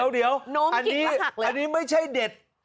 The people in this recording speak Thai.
เดี๋ยวอันนี้ไม่ใช่เด็ด